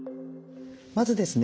まずですね